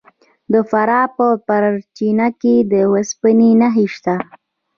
د فراه په پرچمن کې د وسپنې نښې شته.